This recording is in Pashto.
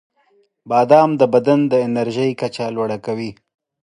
• بادام د بدن د انرژۍ کچه لوړه کوي.